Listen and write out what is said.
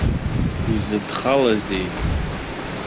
Изыдхалазеи?